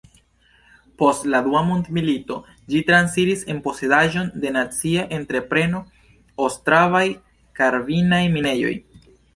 Post la dua mondmilito ĝi transiris en posedaĵon de nacia entrepreno Ostravaj-karvinaj minejoj.